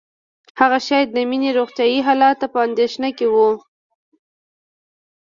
هغه شاید د مينې روغتیايي حالت ته په اندېښنه کې وه